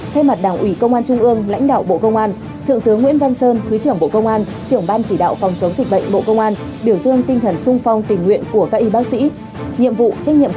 hãy đăng ký kênh để ủng hộ kênh của chúng mình nhé